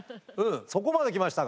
そこまできましたが。